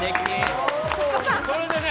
それでね。